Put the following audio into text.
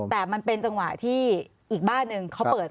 แต่มันเป็นจังหวะที่อีกบ้านหนึ่งเขาเปิด